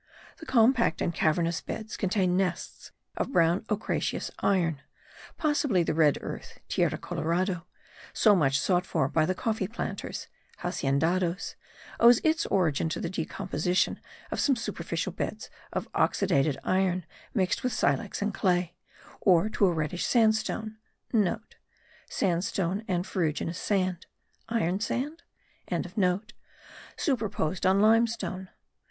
The compact and cavernous beds contain nests of brown ochreous iron; possibly the red earth (tierra colorada) so much sought for by the coffee planters (haciendados) owes its origin to the decomposition of some superficial beds of oxidated iron, mixed with silex and clay, or to a reddish sandstone* (* Sandstone and ferruginous sand; iron sand?) superposed on limestone.